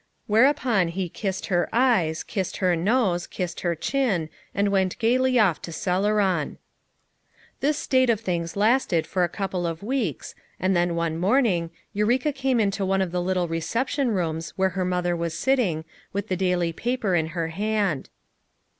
Whereupon he kissed her eyes, kissed her nose, kissed her chin, and went gayly off to Celeron. This state of things lasted for a couple of weeks, and then one morning, Eureka came into one of the little reception rooms where her mother was sitting, with the daily paper in her hand.